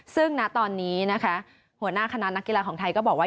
ซึ่งณตอนนี้นะคะหัวหน้าคณะนักกีฬาของไทยก็บอกว่า